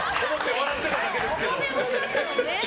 笑ってただけです。